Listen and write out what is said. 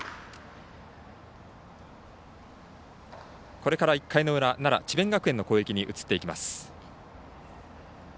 これから１回の裏奈良・智弁学園の攻撃に移っていきます。